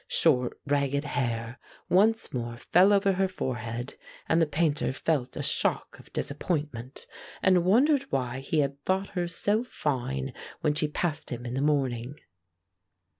Short ragged hair once more fell over her forehead, and the Painter felt a shock of disappointment, and wondered why he had thought her so fine when she passed him in the morning.